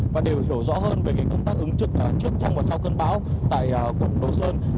và đều hiểu rõ hơn về công tác ứng trực trước trong và sau cơn bão tại quận đồ sơn